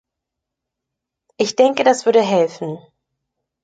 Ich denke, das würde helfen.